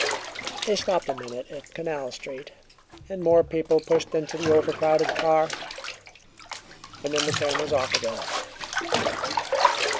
They stopped a minute at Canal Street, and more people pushed into the overcrowded car, and then the train was off again.